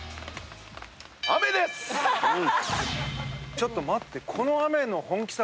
ちょっと待って。